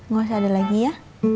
nggak usah ada lagi ya